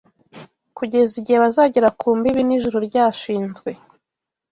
Kugeza igihe bazagera ku mbibi n'ijuru ryashinzwe. '